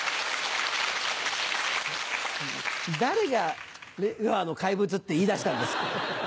誰が「令和の怪物」って言いだしたんですか。